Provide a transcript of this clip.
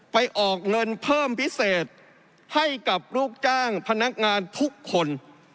ออกเงินเพิ่มพิเศษให้กับลูกจ้างพนักงานทุกคน